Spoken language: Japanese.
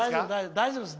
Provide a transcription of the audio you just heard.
大丈夫です。